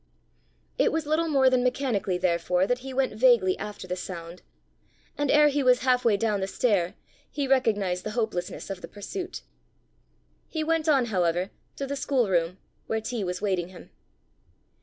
It was little more than mechanically therefore that he went vaguely after the sound; and ere he was half way down the stair, he recognized the hopelessness of the pursuit. He went on, however, to the schoolroom, where tea was waiting him.